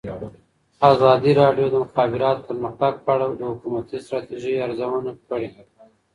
ازادي راډیو د د مخابراتو پرمختګ په اړه د حکومتي ستراتیژۍ ارزونه کړې.